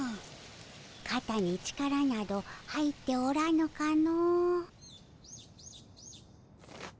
かたに力など入っておらぬかの。